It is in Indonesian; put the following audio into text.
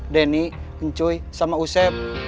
denny ncuy sama useb